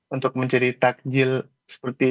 untuk mencari tajil seperti itu